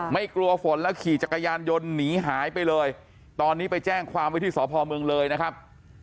ไม่กลัวฝนแล้วขี่จักรยานยนต์หนีหายไปเลยตอนนี้ไปแจ้งความไว้ที่สพเมืองเลยนะครับ